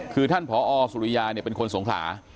คือท่านผอสุริยาเป็นคนสงขลา